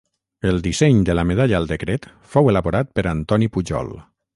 El disseny de la Medalla al Decret fou elaborat per Antoni Pujol.